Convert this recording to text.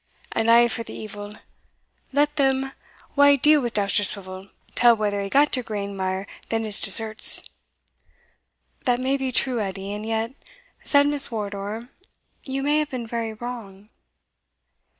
And for the evil let them wha deal wi' Dousterswivel tell whether he gat a grain mair than his deserts." "That may be true, Edie, and yet," said Miss Wardour, "you may have been very wrong."